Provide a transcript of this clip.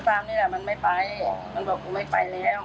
ตามนี่แหละมันไม่ไปมันบอกกูไม่ไปแล้ว